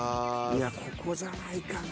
いやここじゃないかな。